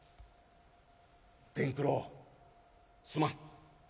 「伝九郎すまん。